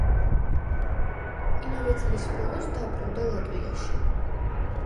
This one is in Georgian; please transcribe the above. იმავე წლის ბოლოს დაბრუნდა ლატვიაში.